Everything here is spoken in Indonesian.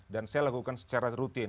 dan saya lakukan secara rutin